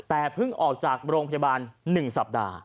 แต่เพิ่งออกจากโรงพยาบาล๑สัปดาห์